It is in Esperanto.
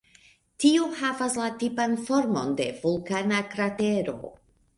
Tiu havas la tipan formon de vulkana kratero.